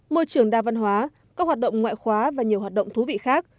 môi trường đa văn hóa các hoạt động ngoại khóa và nhiều hoạt động thú vị khác